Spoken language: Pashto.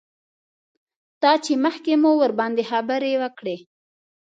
دا چې مخکې مو ورباندې خبرې وکړې.